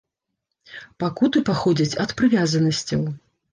Пакуты паходзяць ад прывязанасцяў.